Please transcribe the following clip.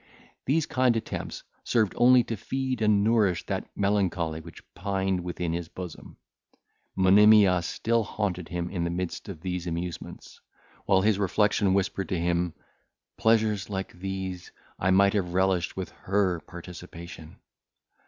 These kind attempts served only to feed and nourish that melancholy which pined within his bosom. Monimia still haunted him in the midst of these amusements, while his reflection whispered to him, "Pleasures like these I might have relished with her participation."